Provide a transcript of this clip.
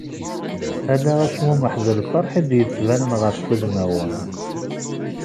Ala acmumeḥ d lferḥ i d-yettbanen ɣef wudmawen.